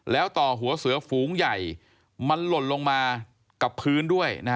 แล้วต่อหัวเสือฝูงใหญ่มันหล่นลงมากับพื้นด้วย